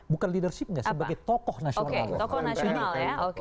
bukan leadershipnya sebagai tokoh nasional